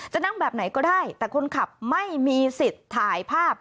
นั่งแบบไหนก็ได้แต่คนขับไม่มีสิทธิ์ถ่ายภาพ